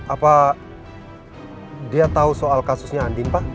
apa dia tahu soal kasus novi